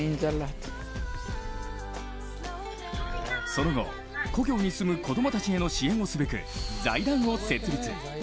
その後、故郷に住む子供たちへの支援をすべく、財団を設立。